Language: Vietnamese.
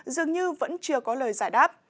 dường như vẫn chưa có lời giải đáp